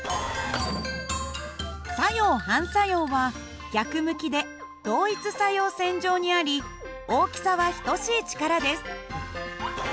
作用・反作用は逆向きで同一作用線上にあり大きさは等しい力です。